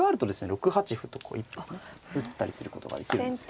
６八歩とこう一歩打ったりすることができるんですよ。